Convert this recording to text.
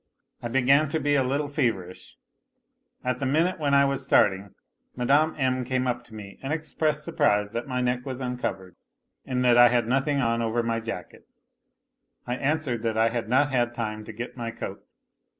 I began to be a little feverish. At the minute when I was starting, Mme. M. came up to me and expressed surprise that my neck was uncovered and that I 24R A LITTLE HERO had nothing on over my jacket. I answered that I had not had time to get my coat.